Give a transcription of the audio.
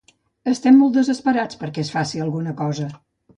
Estem molt desesperats perquè es faci alguna cosa.